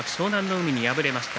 海に敗れました。